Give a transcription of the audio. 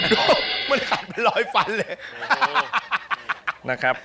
ดูมันขัดไปรอยฟันเลย